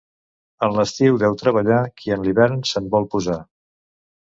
En l'estiu deu treballar qui en l'hivern se'n vol posar.